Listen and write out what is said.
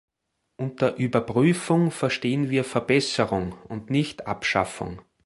Unter Überprüfung verstehen wir "Verbesserung" und nicht "Abschaffung".